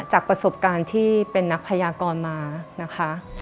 จากประสบการณ์ที่เป็นนักพยากรมานะคะ